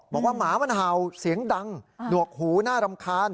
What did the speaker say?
หมามันเห่าเสียงดังหนวกหูน่ารำคาญ